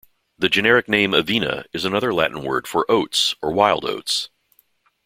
The generic name "Avena" is another Latin word for "oats" or "wild oats".